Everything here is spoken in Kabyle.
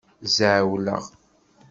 Zɛewleɣ.